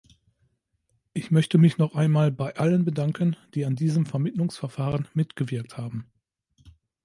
Ich möchte mich noch einmal bei allen bedanken, die an diesem Vermittlungsverfahren mitgewirkt haben.